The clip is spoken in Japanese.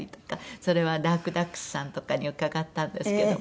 それはダークダックスさんとかに伺ったんですけども。